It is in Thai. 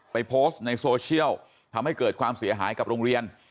โพสต์ในโซเชียลทำให้เกิดความเสียหายกับโรงเรียน